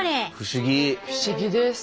不思議です。